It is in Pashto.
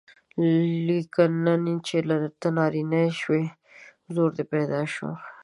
لیکن نن چې ته نارینه شوې زور دې پیدا شو.